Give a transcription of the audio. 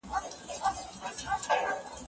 ميرويس خان نيکه د اسونو روزنې ته څه پام کاوه؟